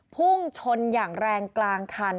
พุ่งชนอย่างแรงกลางคัน